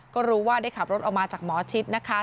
ก็รู้ว่าได้ขับรถออกมาจากหมอชิดนะคะ